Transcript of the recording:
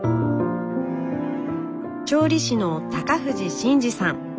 調理師の高藤信二さん。